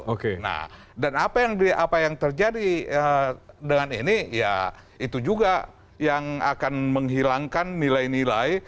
oke nah dan apa yang terjadi dengan ini ya itu juga yang akan menghilangkan nilai nilai